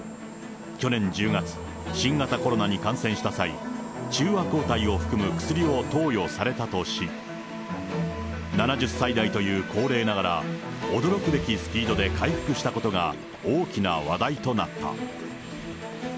去年１０月、新型コロナに感染した際、中和抗体を含む薬を投与されたとし、７０歳代という高齢ながら、驚くべきスピードで回復したことが、大きな話題となった。